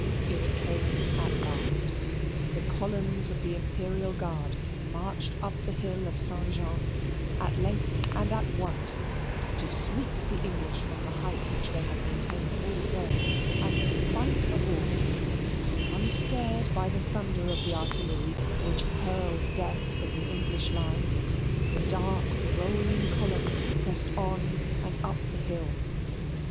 It came at last: the columns of the Imperial Guard marched up the hill of Saint Jean, at length and at once to sweep the English from the height which they had maintained all day, and spite of all: unscared by the thunder of the artillery, which hurled death from the English line the dark rolling column pressed on and up the hill.